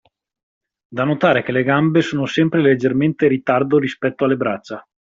Da notare che le gambe sono sempre leggermente in ritardo rispetto alle braccia.